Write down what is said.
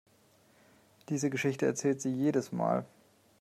Diese Geschichte erzählt sie jedes Mal.